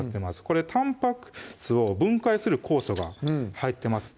これたんぱく質を分解する酵素が入ってます